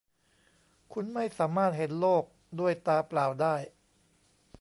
คุณไม่สามารถเห็นโลกด้วยตาเปล่าได้